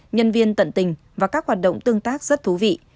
nhân viên tận tình và các hoạt động tương tác rất thú vị